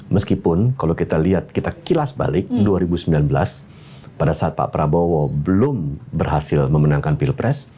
meskipun kalau kita lihat kita kilas balik dua ribu sembilan belas pada saat pak prabowo belum berhasil memenangkan pilpres